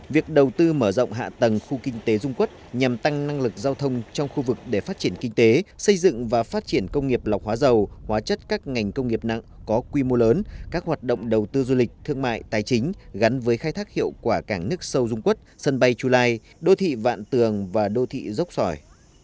việc đầu tư mở rộng hạ tầng khu kinh tế dung quốc nhằm tăng năng lực giao thông trong khu vực để phát triển kinh tế xây dựng và phát triển công nghiệp lọc hóa dầu hóa chất các ngành công nghiệp nặng có quy mô lớn các hoạt động đầu tư du lịch thương mại tài chính gắn với khai thác hiệu quả cảng nước sâu dung quốc sân bay chu lai đô thị vạn tường và đô thị dốc sỏi